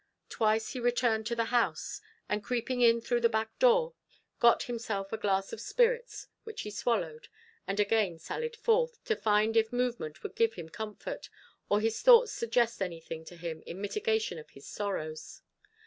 Twice he returned to the house, and creeping in through the back door, got himself a glass of spirits, which he swallowed, and again sallied forth, to find if movement would give him comfort, or his thoughts suggest anything to him in mitigation of his sorrows.